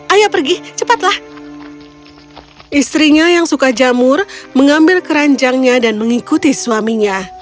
ayo pergi cepat lah ust istrinya yang suka jamur mengambil keranjangnya dan mengikuti suaminya